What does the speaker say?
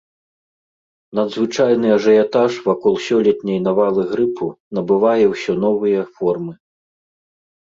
Надзвычайны ажыятаж вакол сёлетняй навалы грыпу набывае ўсё новыя формы.